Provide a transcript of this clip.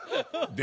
で